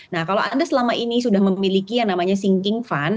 nah kalau anda selama ini sudah memiliki yang namanya thinking fund